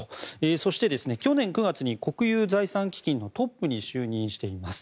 そして、去年９月に国有財産基金のトップに就任しています。